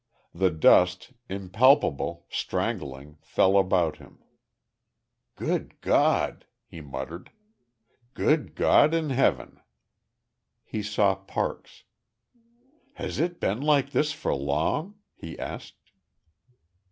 The dust, impalpable, strangling, fell about him .... "Good God!" he muttered. "Good God in heaven!" He saw Parks. "Has it been like this for long?" he asked.